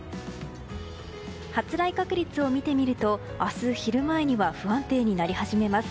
発雷確率を見てみると明日昼前には不安定になり始めます。